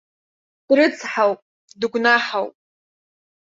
Дрыцҳауп, дыгәнаҳауп.